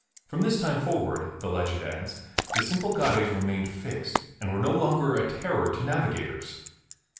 From this time forward, the legend adds, the Symplegades remained fixed and were no longer a terror to navigators.